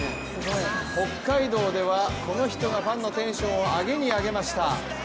北海道ではこの人がファンのテンションをアゲにアゲました。